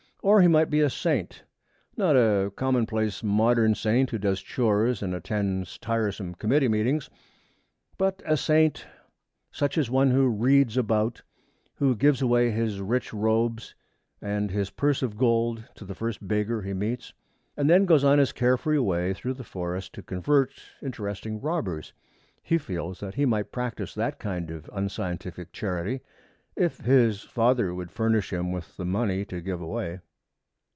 Or he might be a saint not a commonplace modern saint who does chores and attends tiresome committee meetings, but a saint such as one reads about, who gives away his rich robes and his purse of gold to the first beggar he meets, and then goes on his carefree way through the forest to convert interesting robbers. He feels that he might practice that kind of unscientific charity, if his father would furnish him with the money to give away.